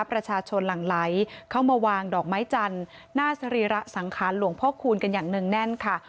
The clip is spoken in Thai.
ประชาชนหลั่งไหลเข้ามาวางดอกไม้จันทร์หน้าสรีระสังขารหลวงพ่อคูณกันอย่างเนื่องแน่นค่ะ